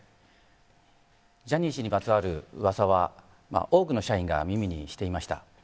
ジャニー氏にまつわる噂は多くの社員が耳にしていました。